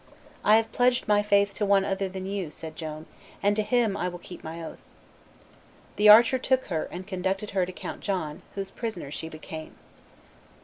"I have pledged my faith to one other than you," said Joan, "and to Him I will keep my oath." The archer took her and conducted her to Count John, whose prisoner she became.